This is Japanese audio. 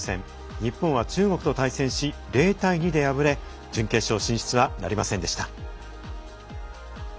日本は中国と対戦し０対２で敗れ準決勝進出はなりませんでした。